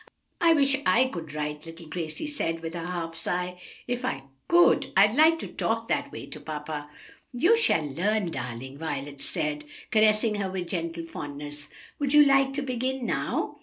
"I wish I could write," little Gracie said, with a half sigh. "If I could, I'd like to talk that way to papa." "You shall learn, darling," Violet said, caressing her with gentle fondness. "Would you like to begin now?"